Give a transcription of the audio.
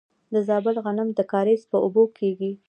د زابل غنم د کاریز په اوبو کیږي.